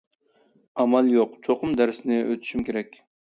ئامال يوق، چوقۇم دەرسنى ئۆتۈشۈم كېرەك.